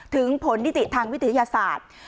ถึงผลนิติทางวิทยาศาสตร์